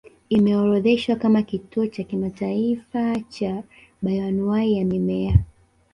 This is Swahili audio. Imeorodheshwa kama kituo cha kimataifa cha bayoanuwai ya mimea